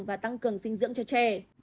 và tăng cường dinh dưỡng cho trẻ